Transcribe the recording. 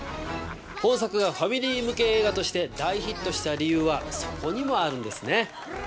本作がファミリー向け映画として大ヒットした理由はそこにもあるんですね。